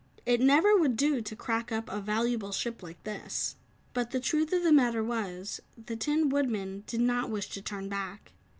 "It never would do to crack up a valuable ship like this." But the truth of the matter was, the Tin Woodman did not wish to turn back.